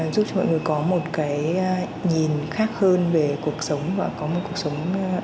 giúp cho mọi người có một cái nhìn khác hơn về cuộc sống và có một cuộc sống